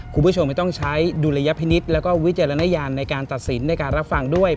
คุณผู้ชมไม่ต้องใช้ดุลยพินิษฐ์แล้วก็วิจารณญาณในการตัดสินในการรับฟังด้วย